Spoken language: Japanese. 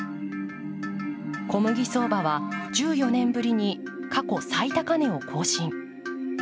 小麦相場は１４年ぶりに過去最高値を更新。